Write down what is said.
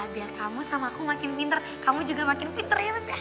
biar kamu sama aku makin pinter kamu juga makin pinter ya